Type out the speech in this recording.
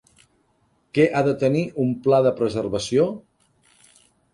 Què ha de tenir un pla de preservació?